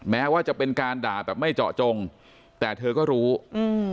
แม้ว่าจะเป็นการด่าแบบไม่เจาะจงแต่เธอก็รู้อืม